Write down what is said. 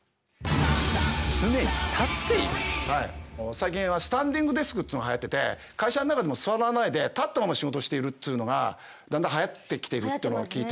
最近はスタンディングデスクっていうのがはやってて会社の中でも座らないで立ったまま仕事しているっつうのがだんだんはやってきてるっていうのを聞いて。